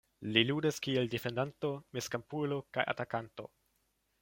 Li ludis kiel defendanto, mezkampulo kaj atakanto.